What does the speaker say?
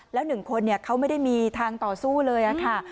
แล้ว๑คนเขาไม่ได้มีทางต่อสู้เลยค่ะ